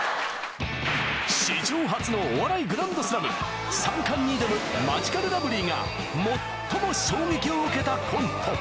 史上初のお笑いグランドスラム三冠に挑むマヂカルラブリーが最も衝撃を受けたコント！